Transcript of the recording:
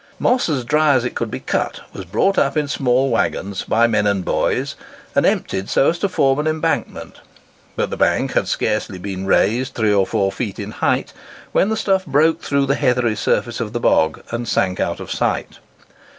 Moss as dry as it could be cut, was brought up in small waggons, by men and boys, and emptied so as to form an embankment; but the bank had scarcely been raised three or four feet in height, when the stuff broke through the heathery surface of the bog and sank out of sight.